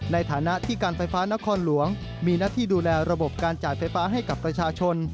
ในฐานะที่การไฟฟ้านครหลวงมีหน้าที่ดูแลระบบการจ่ายไฟฟ้าให้กับประชาชน